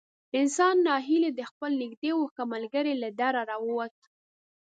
انسان نا هیلی د خپل نږدې او ښه ملګري له دره را ووت.